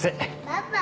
パパ。